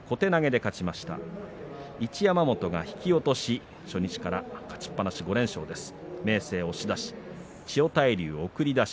一山本は初日から勝ちっぱなし５連勝です。